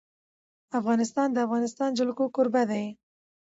افغانستان د د افغانستان جلکو کوربه دی.